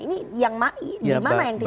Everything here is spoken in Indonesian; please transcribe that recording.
ini yang mana yang tidak